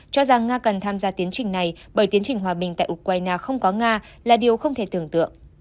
cho rằng nga cần tham gia tiến trình này bởi tiến trình hòa bình tại ukraine không có nga là điều không thể tưởng tượng